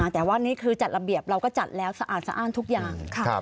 แต่ว่านี่คือจัดระเบียบเราก็จัดแล้วสะอาดสะอ้านทุกอย่าง